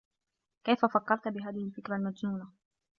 كيف فكرت بهذه الفكرة المجنونة؟